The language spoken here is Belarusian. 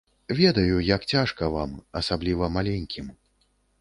Ведаю, як цяжка вам, асабліва маленькім.